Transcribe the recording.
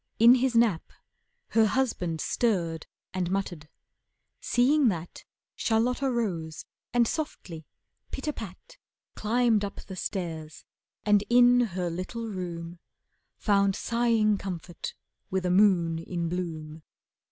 In his nap Her husband stirred and muttered. Seeing that, Charlotta rose and softly, pit a pat, Climbed up the stairs, and in her little room Found sighing comfort with a moon in bloom.